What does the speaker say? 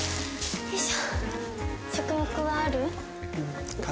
よいしょ。